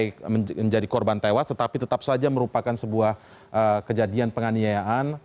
baik menjadi korban tewas tetapi tetap saja merupakan sebuah kejadian penganiayaan